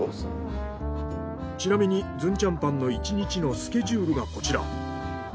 ちなみにずんちゃんパンの１日のスケジュールがこちら。